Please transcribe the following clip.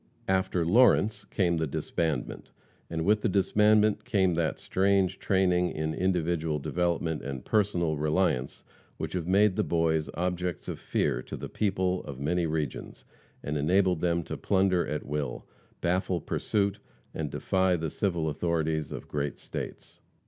After Lawrence came the disbandment, and with the disbandment came that strange training in individual development and personal reliance which have made the Boys objects of fear to the people of many regions, and enabled them to plunder at will, baffle pursuit, and defy the civil authorities of great States.